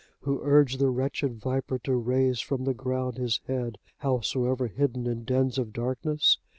Who urged the wretched viper to raise from the ground his head, howsoever hidden in dens of darkness?